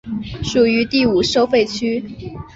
属于第五收费区。